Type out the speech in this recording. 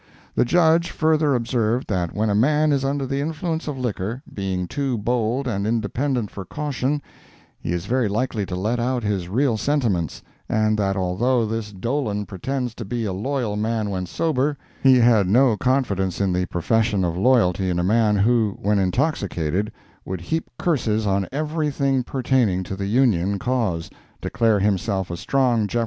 The Judge further observed that when a man is under the influence of liquor, being too bold and independent for caution, he is very likely to let out his real sentiments, and that although this Dolan pretends to be a loyal man when sober, he had no confidence in the profession of loyalty in a man who, when intoxicated, would heap curses on every thing pertaining to the Union cause, declare himself a strong Jeff.